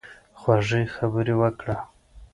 خوږې خبرې وکړه.